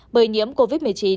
bởi nhiễm covid một mươi chín